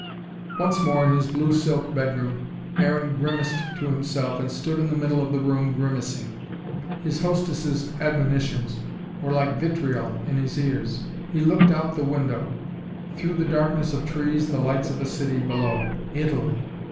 Once more in his blue silk bedroom, Aaron grimaced to himself and stood in the middle of the room grimacing. His hostess' admonitions were like vitriol in his ears. He looked out of the window. Through the darkness of trees, the lights of a city below. Italy!